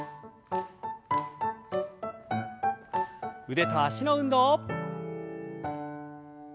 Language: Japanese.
腕と脚の運動。